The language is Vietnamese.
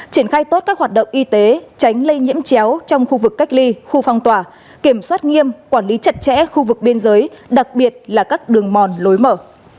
triển khai tốt các hoạt động y tế tránh lây nhiễm chéo trong khu vực cách ly khu phong tỏa kiểm soát nghiêm quản lý chặt chẽ khu vực biên giới đặc biệt là các đường mòn lối mở